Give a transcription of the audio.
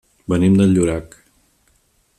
Venim de Llorac.